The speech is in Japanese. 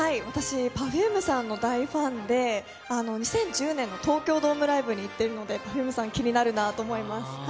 私、Ｐｅｒｆｕｍｅさんの大ファンで、２０１０年の東京ドームライブに行っているので、Ｐｅｒｆｕｍｅさん気になるなと思っています。